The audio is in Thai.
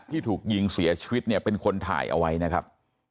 ที่ถูกยิงเสียชีวิตเนี่ยเป็นคนถ่ายเอาไว้นะครับ